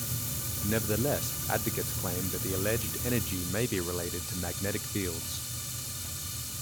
Nevertheless, advocates claim that the alleged energy may be related to magnetic fields.